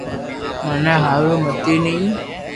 مني ھارون متي ني